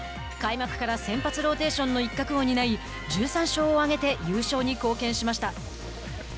開幕から先発ローテーションの一角を担い１３勝を挙げて優勝に貢献しました。